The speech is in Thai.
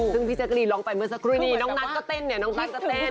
ซึ่งพี่แจ๊กรีนร้องไปเมื่อสักครู่นี้น้องนัทก็เต้นเนี่ยน้องนัทก็เต้น